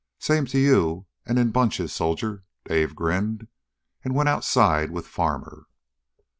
"Same to you, and in bunches, soldier," Dave grinned, and went outside with Farmer.